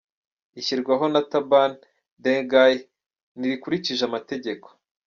Ishyirwaho rya Taban Deng Gai ntirikurikije amategeko.